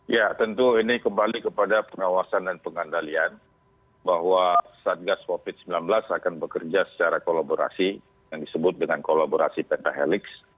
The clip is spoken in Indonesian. ya tentu ini kembali kepada pengawasan dan pengandalian bahwa satgas covid sembilan belas akan bekerja secara kolaborasi yang disebut dengan kolaborasi pentahelix